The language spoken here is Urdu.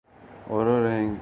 اوروہ رہیں گے